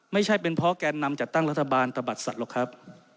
ไม่ใช่เป็นเพราะแกนนำจัดตั้งรัฐบาลตะบัดสัตว์หรอกครับ